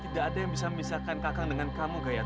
tidak ada yang bisa memisahkan kakang dengan kamu gayatri